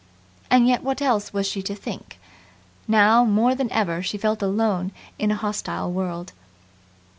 And yet what else was she to think? Now, more than ever, she felt alone in a hostile world.